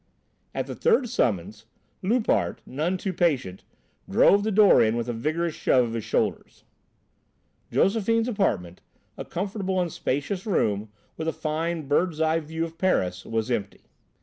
At the third summons, Loupart, none too patient, drove the door in with a vigorous shove of his shoulders. Josephine's apartment, a comfortable and spacious room, with a fine bird's eye view of Paris, was empty.